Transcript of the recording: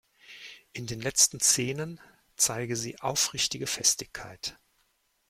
In den letzten Szenen zeige sie "„aufrichtige Festigkeit“".